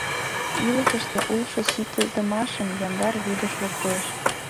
Илышыште улшо ситыдымашым яндар вӱдыш луктеш.